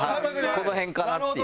この辺かなっていう。